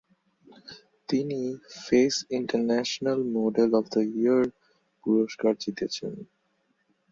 তিনি "face international model of the year" পুরস্কার জিতেছেন।